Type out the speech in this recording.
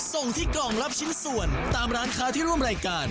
ส่งที่กล่องรับชิ้นส่วนตามร้านค้าที่ร่วมรายการ